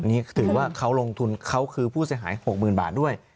นี่ถือว่าเขาลงทุนเขาคือผู้เสียหาย๖๐๐๐บาทด้วย